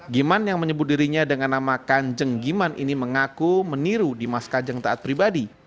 giman yang menyebut dirinya dengan nama kanjeng giman ini mengaku meniru dimas kanjeng taat pribadi